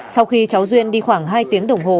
sau khi cháu duyên đi khoảng hai tiếng đồng hồ không chờ